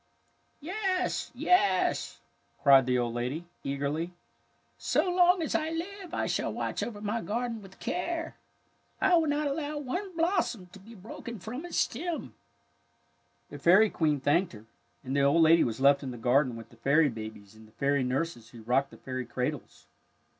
"'' Yes, yes," cried the old lady, eagerly. '^ So long as I live I shall watch over my garden with care. I will not allow one blos som to be broken from its stem." The Fairy Queen thanked her, and the old lady was left in the garden with the fairy babies and the fairy nurses who rocked the fairy cradles.